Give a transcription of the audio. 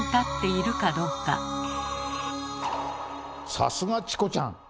さすがチコちゃん！